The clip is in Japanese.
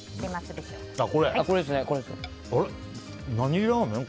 何ラーメン？